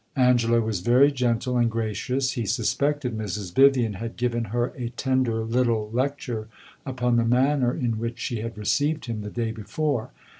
Angela was very gentle and gracious; he suspected Mrs. Vivian had given her a tender little lecture upon the manner in which she had received him the day before.